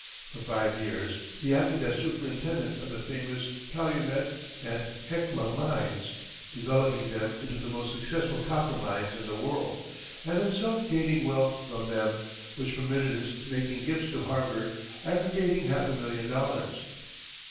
For five years, he acted as superintendent of the famous Calumet and Hecla mines, developing them into the most successful copper mines in the world, and himself gaining wealth from them which permitted his making gifts to Harvard aggregating half a million dollars.